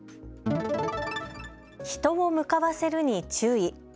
人を向かわせるに注意。